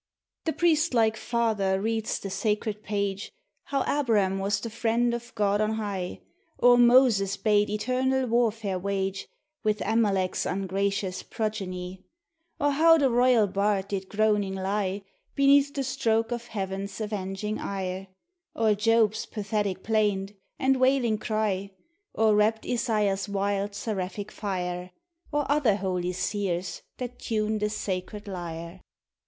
The priest like father reads the sacred page, — How A brum was the friend of God on high; Or Moses bade eternal warfare wage With Amalck's ungracious progeny; Or how the royal bard did groaning lie Beneath the stroke of Heaven's avenging ire; Or Job's pathetic plaint, and wailing cry; Or rapt Isaiah's wild, seraphic fire; Or other holy seers that tune the sacred lyre.